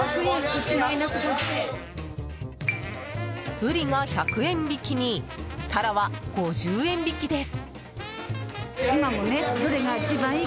ブリが１００円引きにタラは５０円引きです。